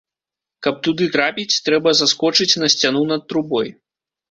Каб туды трапіць, трэба заскочыць на сцяну над трубой.